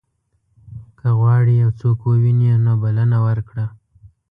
که غواړې یو څوک ووینې نو بلنه ورکړه.